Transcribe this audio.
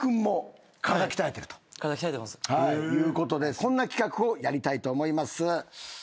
こんな企画をやりたいと思います。